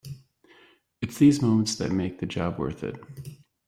It's these moments that make the job worth it.